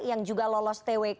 yang juga lolos twk